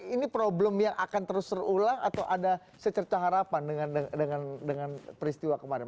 ini problem yang akan terus terulang atau ada secerca harapan dengan peristiwa kemarin